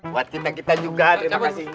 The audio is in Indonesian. buat kita kita juga terima kasihnya itu